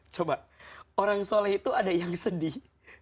coba orang soleh itu ada yang sedih